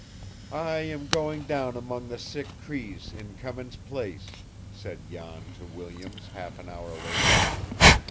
"I am going down among the sick Crees in Cummins' place," said Jan to Williams, half an hour later.